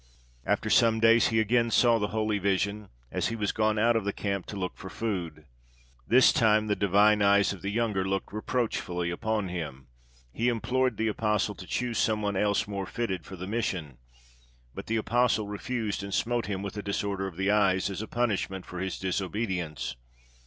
After some days he again saw the holy vision, as he was gone out of the camp to look for food. This time the divine eyes of the younger looked reproachfully upon him. He implored the apostle to choose some one else more fitted for the mission, but the apostle refused, and smote him with a disorder of the eyes, as a punishment for his disobedience.